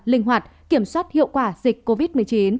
linh hoạt kiểm soát hiệu quả dịch covid một mươi chín